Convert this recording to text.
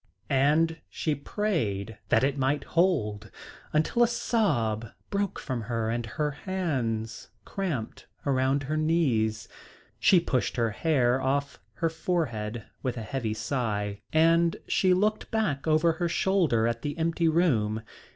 And she prayed that it might hold, until a sob broke from her and her hands cramped around her knees. She pushed her hair off her forehead with a heavy sigh, and she looked back over her shoulder at the empty room.